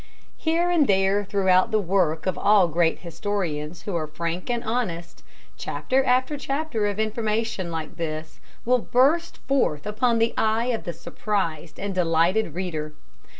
Here and there throughout the work of all great historians who are frank and honest, chapter after chapter of information like this will burst forth upon the eye of the surprised and delighted reader.